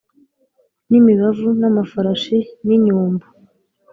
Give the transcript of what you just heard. n’imibavu n’amafarashi n’inyumbu